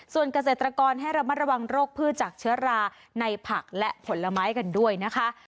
ส่วนเกษตรกรให้ระมัดระวังโรคพืชจากเชื้อราในผักและผลไม้กันด้วยนะคะ